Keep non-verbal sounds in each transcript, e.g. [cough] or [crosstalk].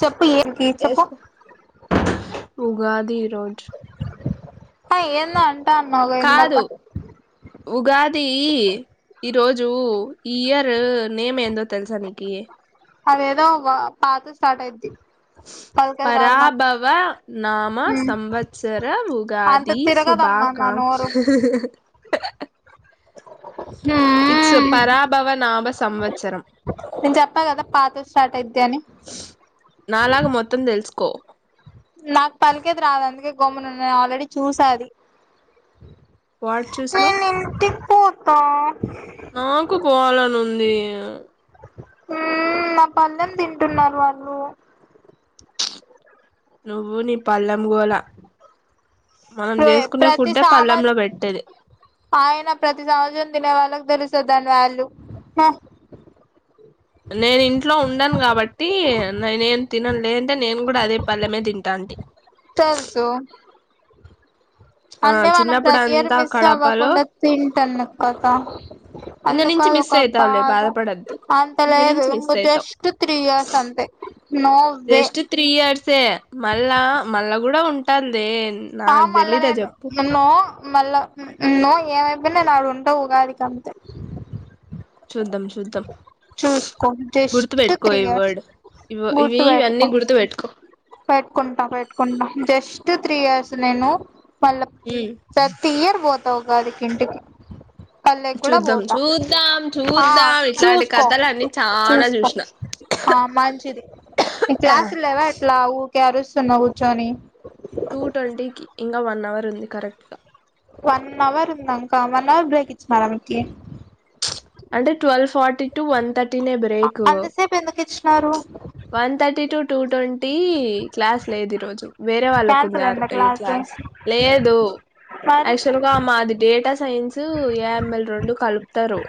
చెప్పు ఏంటి చెప్పు ఉగాది రోజు ఆ ఏందన్ కాదు ఉగాది ఈ ఈ రోజు ఈ ఇయర్ నేమ్ ఏందో తెలుసా నీకి అవేదో వ పా తో స్టార్ట్ అయిది పరాభవ నామ ఉమ్ సంవత్సర అంత ఉగాది తిరగదమ్మా నా సుభాకాంక్ష నోరు ఆ ఇట్స్ పరాభవ నామస్ సంమ్ నేను చెప్పా కదా పా త స్టార్ట్ అయిద్ది అని కొ నాకు పలికేది రాదు అందుకే గొమ్మున ఉన్న నేను ఆల్రెడీ చూసా అది వాడు చూసిన కా నాకు పోవాలని ఉంది అ ఉ నా పళ్ళెం తింటున్నారు వాళ్ళు నువ్వు నీ పల్లెం గోళ ప్రతి సమన్ పెట్టేది ఆయన ప్రతి సంవత్సరం తినే వాళ్ళకి తెలుస్ సో దాని వాల్యూ నేన్ ఇంట్లో ఉండన్ కాబట్టి నేనేం తినను లేదంటే నేన్ కూడా అదే పల్లమే తింటాంది. తెల్సు ఆ అంటే మనం చిన్నప్పుడు ప్రతి ఇయర్ అంతా మిస్ కడపలో అవ్వకుండా తింటానం కథ ఇంక నుంచి మిస్ అయితావులే బాధపడద్దు అంత ఇక లేదు నుంచి మిస్ ఇంక అయితావు జస్ట్ త్రీ ఇయర్స్ అంతే నో వే జస్ట్ త్రీ ఇయర్సే మళ్ళా మళ్ళ కూడా ఉంటాందే ఆ మళ్ళ నేను నిన్నూ మళ్ళా నో ఏమైపోయినా నేన్ ఉంటా ఉగాదికి అంతే చూద్దాం చూద్దాం చూసుకో గుర్తు జస్ట్ పెట్టుకో త్రీ ఈ ఇయర్స్ వర్డ్ ఇవి గుర్తు పెట్టుకో ఇవన్నీ గుర్తు పెట్టుకో పెట్టుకుంటా పెట్టుకుంటా జస్ట్ త్రీ ఇయర్స్ నేను పల్లం ఉమ్ ప్రతి ఇయర్ పో ఉగాదికి ఇంటికి కల్లకి కూడా చూద్దాం పోతా చూద్దాం ఆ చూద్దాం ఇట్లాంటి చూస్కో కథలు అన్నీ చానా చూసిన ఆ మంచిది నిక్ క్లాసులు లేవ ఊకె అరుస్తున్న కూర్చొని టూ ట్వంటీకి ఇంకా వన్ అవర్ ఉంది కరెక్ట్గా వన్ అవర్ ఉందా ఇంకా వన్ అవర్ బ్రేక్ ఇచ్చినారా మీకీ అంటే twelve forty to one thirty break అంతసేపు ఎందుకు ఇచ్చినారు one thirty to two twenty class లేద్ ఈ రోజు వేరే వాళ్ళకు ఉంది క్యాన్సల్ ఆరు అయిందా ఏ క్లాసు క్లాస్ లేదు మరి యాక్చువల్గా మాది డేటా సైన్స్ ఏఎంఎల్ రొండు కలుప్తారు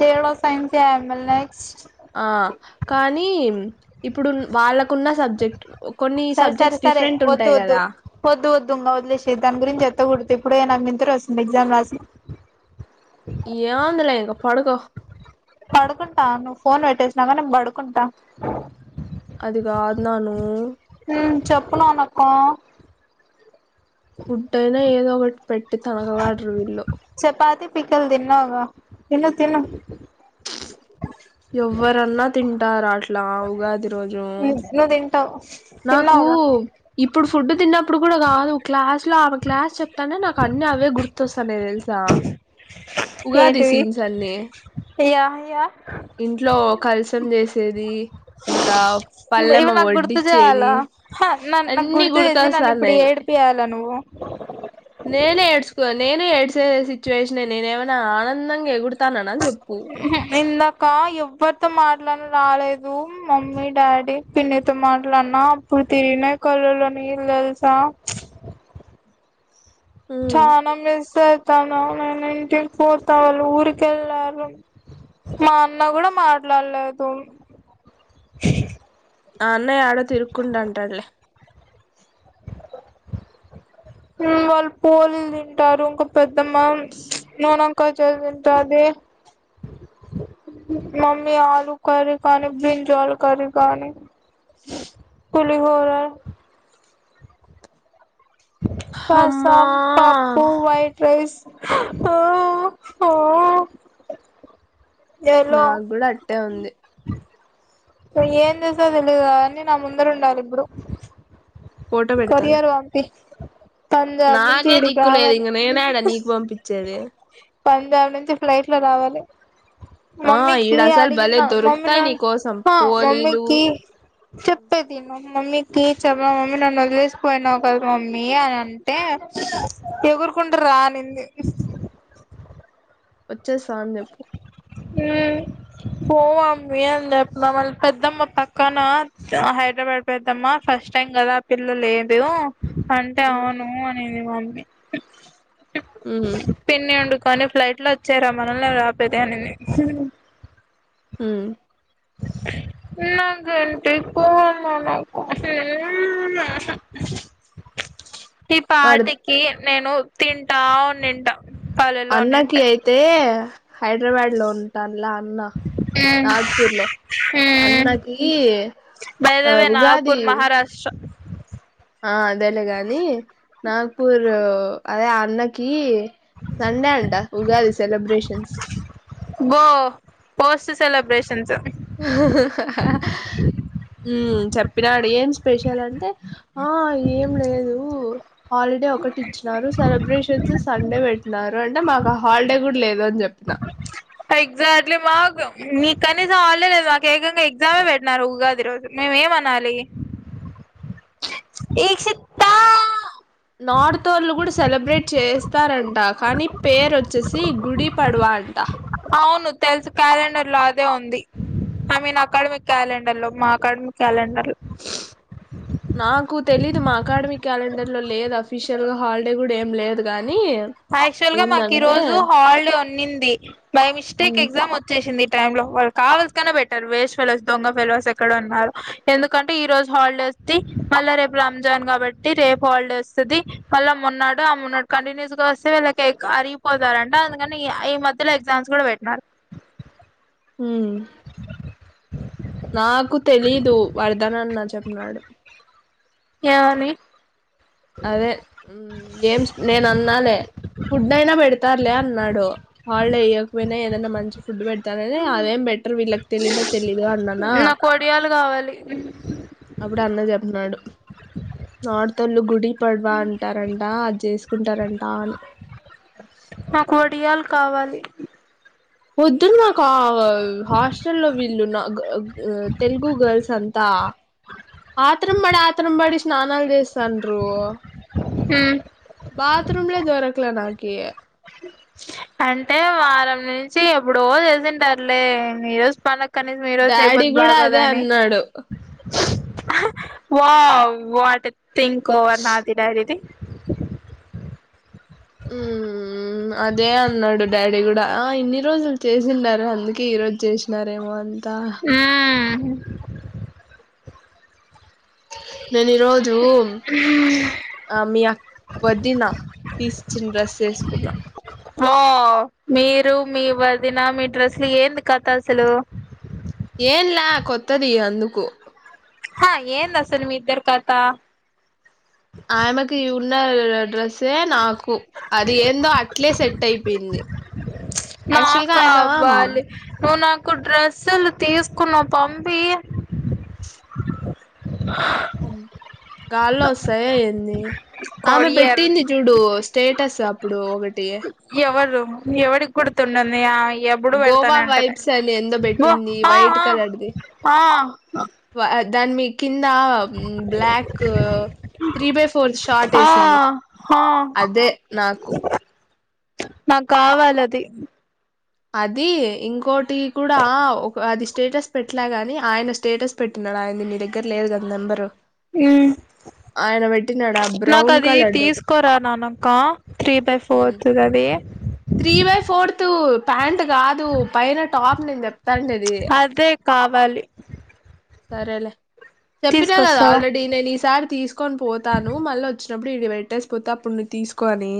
తేలో సైన్స్ల్ నెక్స్ట్ ఆ కానీ ఇప్పుడు వాళ్ళకున్న సబ్జెక్ట్ కొన్ని సరి సరి సబ్జెక్ట్స్ సరే డిఫరెంట్ ఒద్దు ఉంటాయి ఓద్దు కదా ఓద్దు ఒద్దు వద్లేసేయి తన గరించి ఎత్తగుడదు ఇ ఇప్పుడే నాక్ నిద్ర వస్తుంది ఎగ్జామ్ రాసి ఏం ఉందిలే ఇంకా పడుకో పడుకుంటా నువ్వు ఫోన్ పెట్టేసినాక నేన్ పడుకుంటా అది కాద్ నానూ మ్ చెప్పు నానక్కా ఫుడ్ అయినా ఏదో కొట్ పెట్ తానా వాటర్ [unintelligible] చపాతి పికిల్ తిన్నా అవ్వ తిను తిను ఎవ్వరన్న తిం ఆ రాష్ట్ ఇట్లావుగాది రోజు నువ్వు తింటావు నాకు తిన్నావుగా ఇప్పుడు ఫుడ్ తిన్నప్ ఇప్పుడు కూడా కాదు క్లాస్ లో ఆమె క్లాస్ చెప్తానే నాకు అన్ని అవే గుర్తొస్తానయ్ తెలుసా ఉగాది ఏంటివి సీన్స్ అన్ని యా యా ఇంట్లో కలసం చేసేది ఇంకా పల్లెమ్మ వడ్డి తాల నన్ నాకు గుర్తు చేసి నన్ ఇప్పుడు గుర్తొస్తాన్నాయి ఏడిపయ్యాల నువ్వు నేనే ఏడ్స్కోనా నేనే ఏడ్సేసి సిట్యువేషనే నేనేమైనా ఆనందంగ ఎగుర్ ఇందాక ఎవ్వరితో మాట్లాడన రాలేదు మమ్మీ డాడీ పిన్నితో మాట్లాడిన అప్పుడు తిరిిగినయ్ కళ్ళలోనీల్ తెలుసా ఉమ్ చానా మిస్ అయితాన నేను ఇంటికి పోతా వాళ్ళు ఊరిక వెళ్ళారు మా అన్న కూడా మాట్లాడలేదు ఆ అన్నయ్య ఆడో తిరుక్కుంఉంటాడుళ్లే ఉమ్ వాళ్ పూల్ తింటారు ఇంకా పెద్దమ్మ నూనోన్ కాయ తింటాది మమ్మీ ఆలు కర్రీ కానీ బ్రింజల్ కర్రీ కానీ పులిహోర పాస్తా అమ్మా పప్పు వైట్ రైస్ ఆ ఆ ఎలో నాకు కూడా అట్టే ఉంది నువ్ ఎంజెస్టావో తెలియదు గాని నా ముందర ఉండాలి ఇప్పుడు ఫోటో పెడతాలే కోరియారు పంపి పంజాబ్ నుంచి నాకే ఈడికి దిక్కు లేదు రావాలి ఇంగ నేనేడా నీకు పంపిచేది పంజాబ్ నుంచి ఫ్లైట్ లో రావాలి ఆ ఈడ మమ్మీకి అసలు అరిగిన భలే మమ్మీ దొరుకుతాయి నా నీ కోసం హా పోలీలు మమ్మీకి చెప్పేదిిను మమ్మీకి కీ చెమ్మ మమ్ నన్ను వదిలేసిపోయినావు కదా మమ్మీ అని అంటే ఎగురుకున్ రా అనింది వచ్చేస్ మల్ చెప్పు ఉమ్ పో మమ్మీ అని చెప్పిన మళ్ళ పెద్దమ్మ పక్కన హైదరాబాద్ పెద్దమ్మా ఫస్ట్ టైం కదా పిల్ల లేదు అంటే అవును అనేది మంమ్ ఉమ్ పిన్నెండు క్ కానీ ఫ్లైట్ లో వచ్చారా మనల్ని పెధ అని ఆ నా కంటి పోనకు [unintelligible] ఇ వాడు పాటికి నేను తింటా ఉన్నింట పల్లెలో అన్నకిి ఉన్నింటే అయితే హైదరాబాద్ లో ఉంటానులా అన్నా నాగపూర్ లో అన్నకి ఆ జయదవే ఉగాది నాగపూర్, మహారాష్ట్ర ఆ అదేలే గాని నాగ్పూరు అదే అన్నకి సండే అంటా ఉగాది సెలబ్రేషన్స్. బో హహహ ఉమ్ చెప్పినాడు ఏం స్పెషల్ అంటే ఆ ఏం లేదు. హాలిడే ఒకటి ఇచ్చినారు సెలబ్రేషన్స్ సండే పెట్న్నారు. అంటే మాకు ఆ హాలిడే కూడా లేదు అని చెప్ప ఎగజాట్లీ మగ్ మీకు కనీసం వాళ్లేలేదు నాకు ఏకంగా ఎగ్జామె పెట్టినారు. ఉగాది రోజు మేము ఏమనాలి. నార్త్ వోర్లు కూడా సెలబ్రేట్ చేస్ చెతారంట కానీ పేరు వచ్చేసి గుడి పడవా అంట తెలుగు క్యాలెండర్ లో అదే ఉంది. ఐ మీన్ అకాడమిక్ క్యాలెండర్ లో మా అకాడమిక్ క్యాలెండర్ లో నాకు తెలీదు మా అకాడమీ క్యాలెండర్. లేదు అఫిషియల్గా హాలిడే కూడా ఏం లేదు గానీ. యాక్చువల్ గా మాకు ఈ రోజు హాలిడే ఉన్నింది. బై మిస్టేక్ ఎగ్జామ్ వచ్చేసింది. టైమ్ లో వాళ్ళు కావల్సీగానే పెట్టారు. వేస్ట్ ఫెలస్, దొంగ ఫెలస్ ఎక్కడ ఉన్నారు. ఎందుకంటే ఈ రోజు హాలిడేస్ది మళ్ళ రేపు రంజాన్ కాబట్టి రేపు హాలిడేది వస్తుది. మళ్ళ మొన్నాడు ఆ మన్నాడు కంటిన్యూస్ గా వీళ్ళకి ఎక్క అరిగిపోతారంట అందుకని ఈ మధ్యలో ఎగ్జామ్స్ కూడా పెట్టినారు. ఊ నాకు తెలీదు వరదనన్న చేప్ప నాడు ఎవని అదే ఏం చ్ నేను అన్నాలే ఫుడ్ అయినా పెడతారు. లేన్నాడు. హాల్డే ఇయ్యకపోయినా ఏదైనా మంచి ఫుడ్ పెడతాననే అదేం బెటర్ వీళ్ళకి తెలీనె తెలీదు అన్నానా నాకు వడియాలు [inaudible] అన్నాడు నార్తోళ్ళు గుడి పడవా అంటారంట అది చేసుకుంటారంట అని నాకు వడియాలు కావాలి పొద్దున్న నాకు హాస్టల్లో వీళ్ళు నా ఆ తెలుగు గర్ల్స్ అంతా ఆత్రంబడి ఆత్రంబడి స్నానాలు తీస్తాండ్రు మ్మ్ బాత్ రూమ్ లే దొరకలే ద కీయ అంటే వారం నుంచి ఎప్పుడో చేసింటారులే ఈ రోజు పన డాడీ కూడా అదే అన్నాడు వావ్ వాటె థింక్ ఓవర్ నాది డాడి ది మ్.. అదే అన్నాడు డాడీ కూడా ఆ ఇన్ని రోజులు చేసిండారు అందుకే ఈ రోజు చేసినారేమో అని మ్ నేను ఈరోజు మీ అక్క వదిన తీసిచ్చిన డ్రెస్ వేసుకున్నా. వా.... మీరు మీ వదిన మీ డ్రస్లు ఏంది కథ అసలు ఏంలా కొత్తది అందుకు హా ఏందసలు మీ ఇద్దరు కథ ఆయమ్మకి ఇవు ఉన్న డ్రెస్ అే నాకు అది ఏందో అట్లే సెట్ అయిపోయింది యాక్చువల్గా ఆమవా ఇంకొ డ్రెస్సులు తీసుకున్న పంపియి అ గాల్లో వస్తాయా ఏందీ ఆమె కొరియర్ పెట్టింది చూడు స్టేట్ ఎట్టసా అప్పుడు ఒకటి ఎవరు ఎవడికొడుతుండన్నయా ఇ ఎవ్యడు గోవా పెడతానంటలె వైబ్స్ అని ఎందో పెట్టింది వైట్ దానిమి కిందా black three by four short ఆ ఏసింది ఆ అదే నాకు నాకు కావాలది అది ఇంకోటి కూడా ఒక అది స్టేటస్ పెట్టలేగాని ఆయన స్టేటస్ పెట్టిన్నాడు ఆయనది నీ దగ్గర లేదు కదా నెంబరు మ్ ఆయన పెట్టినాడు ఆ నాకు బ్రౌన్ అది కలర్ది ఒకటి తీసుకోరా నానక్క త్రీ బై ఫోర్త్ అది పాంట్ ట్ కాదు పైన టాప్ నేను చెప్తాండెది అదే కావాలి సరేలే చెప్పినా కదా తీసుకొస్తావా ఆల్రెడీ నేను ఈసారి తీసుకొని పోతాను మళ్ళ వచ్చి నప్పుడు ఈడ పెట్టేసిపోతా అప్పుడు నువు తీసుకో అనీ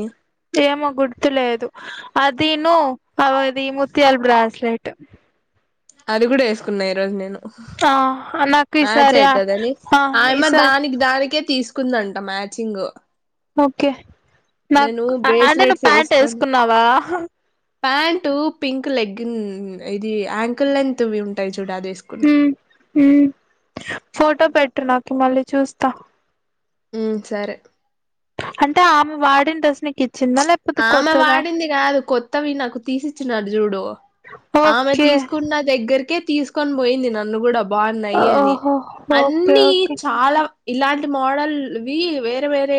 ఏమో గుర్తులేదు అదిను అది ముత్యాల బ్రాస్లెట్ అది కూడా ఏసుకున్నా. ఈ రోజు నేను ఆ నాకు మ్యాచ్ ఈసారి అయితదని ఆ ఆయమ్మ ఈసారి దానికి దానికే తీసు కుందంట మ్యాచింగ్ ఓకే నేను నాకు అంటే నువ్వు బ్రేస్లెట్స్ పాంట్ ఏసుకున్నావా ప్యాంట్ పింక్ లెగ్గిన్ ఇది ఆం ఫుల్లెంత్ వి ఉంటాయి. టుడా తీసుకున్నాం ఉమ్ ఉమ్ ఫోటో పెట్టు నాకు కి మల్లి చూస్త ఉ సరే కా ఆమే వాడిన డ్రెస్ నీకు ఇ ఆమె వాడింది గాదు కొత్తవి నాకు తీసిచ్చినడు చూడు ఆమె ఓకే తీసుకున్న దగ్గరికే తీసుకొని పోయింది. నన్ను కూడా బాగున్నాయి అని ఓహో ఓకే అన్ని ఓకే చాలా ఇలాంటి మోడల్వి వేరే వేరే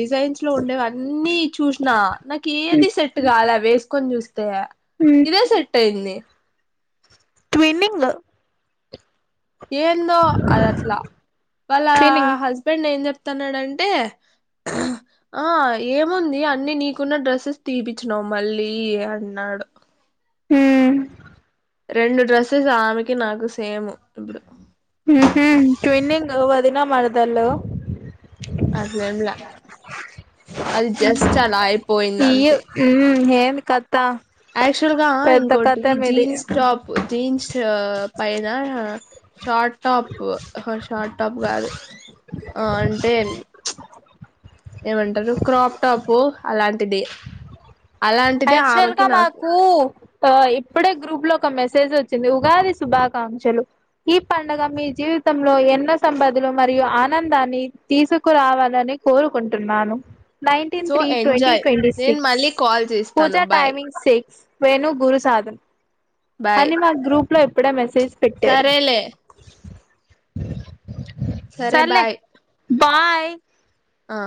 డిజైన్స్ లో ఉండేవి అన్నీ చూస్ నా నాకు ఏది సెట్ గాల వేసుకో [unintelligible] తీయ ఇదే సెట్ అయ్యింది. ట్విన్నింగ్ లో ఏందో అది అట్లా వాళ్ళ ట్విన్నింగ్ హస్బెండ్ ఏం చెప్ స్తన్నాడంటే ఆ ఏముంది అన్ని నీకున్న డ్రెస్సెస్ తీపిచ్చినవు మళ్ళీ అన్నాడు. హ్ రెండు డ్రెస్సెస్ ఆమెకి నాకు సేము ఇప్పుడు ఉహ్ ట్వినింగ్ వదిన మరదళ్ళు అదెం లే అది జస్ట్ అలా అయిపోయింది. అంతే న్నీ కాద్ యాక్చువల్ గా ఇంకోటి మీది జీన్స్ టాప్ జీన్స్ పైన షార్ట్ టాప్ షార్ట్ టాప్ కాదు ఆ అంటే ఏమంటారు. క్రాప్ టాప్ అలాంటిది. అలాంటిదే అక్చువల్ ఆమెకి గా నాకు మాకు ఆ ఇప్పుడే గ్రూప్ లో ఒక మెసేజ్ వోచ్చింది. ఉగాది శుభాకాంక్షలు. ఈ పండుగ మీ జీవితంలో ఎన్నో సంపదలు మరియు ఆనందాన్ని తీసుకురావాలని కోరుకుంటున్నాను. Nineteen so three twenty enjoy twenty నేను సిక్స్ మళ్ళీ కాల్ చేస్తాను Pooja bye timing six Venu Guru Sadhan bye అన్ని మా గ్రూప్ లోప్పుడే మెసేజ్ పెట్టారు సరేలే అ సరే బాయ్ పయ్ అ